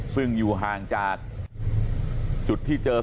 ครับคุณสาวทราบไหมครับ